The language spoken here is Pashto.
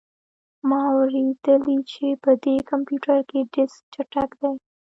ما اوریدلي چې په دې کمپیوټر کې ډیسک چټک دی